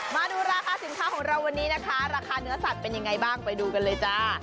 มาดูราคาสินค้าของเราวันนี้นะคะราคาเนื้อสัตว์เป็นยังไงบ้างไปดูกันเลยจ้า